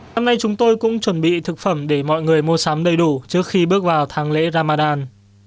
năm nay chúng tôi cũng chuẩn bị thực phẩm để mọi người mua sắm đầy đủ trước khi bước vào tháng lễ ramadan